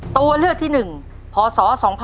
ตัวเลือกที่๑พศ๒๕๖๒